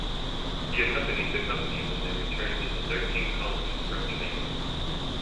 He accompanied the Company when they returned to the Thirteen Colonies from Jamaica.